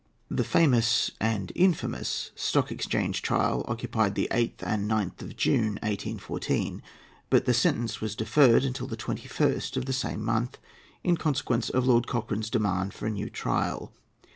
] The famous and infamous Stock Exchange trial occupied the 8th and 9th of June, 1814; but the sentence was deferred until the 21st of the same month, in consequence of Lord Cochrane's demand for a new trial.